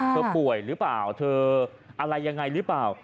ป่วยหรือเปล่าเธออะไรยังไงหรือเปล่า